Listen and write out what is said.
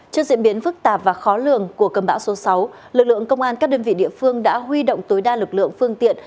trước diễn biến phức tạp và khó lường của cơn bão số sáu lực lượng công an các đơn vị địa phương đã huy động tối đa lực lượng phương tiện